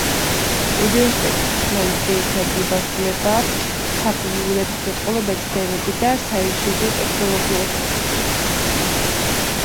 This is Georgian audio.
უნივერსიტეტის კვლევების ძირითადი მიმართულებაა საბუნებისმეტყველო მეცნიერებები და საინჟინრო ტექნოლოგიები.